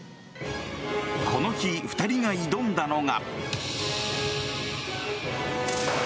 この日、２人が挑んだのが。